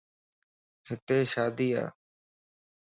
ھتي شادي ا